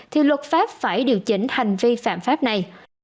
thì luật pháp phải điều chỉnh hành vi phạm pháp này